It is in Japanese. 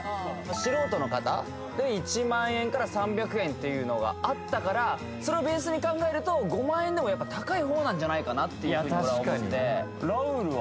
素人の方で１万円から３００円っていうのがあったからそれをベースに考えると５万円でも高い方なんじゃないかなっていうふうに俺は思ってラウールは？